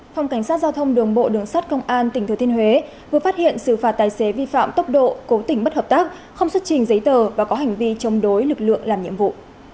phòng cảnh sát giao thông đường bộ đường sát công an tỉnh thừa thiên huế vừa phát hiện xử phạt tài xế vi phạm tốc độ cố tỉnh bất hợp tác không xuất trình giấy tờ và có hành vi chống đối lực lượng làm nhiệm vụ